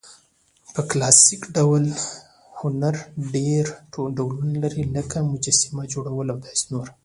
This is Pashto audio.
په کلاسیک ډول هنرډېر ډولونه لري؛ لکه: مجسمه، جوړول او داسي...